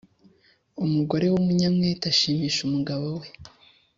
Umugore w’umunyamwete ashimisha umugabo we,